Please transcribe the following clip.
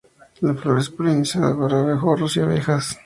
La flor es polinizada por abejorros y abejas.